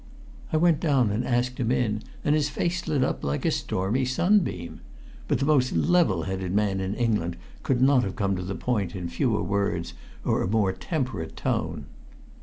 I went down and asked him in, and his face lit up like a stormy sunbeam. But the most level headed man in England could not have come to the point in fewer words or a more temperate tone.